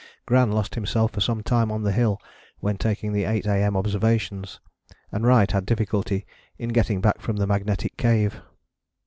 Gran lost himself for some time on the hill when taking the 8 A.M. observations, and Wright had difficulty in getting back from the magnetic cave.